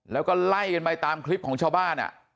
แล้วก็ไล่กันไปตามคลิปของชาวบ้าน